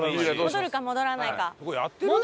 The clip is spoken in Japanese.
戻るか戻らないか。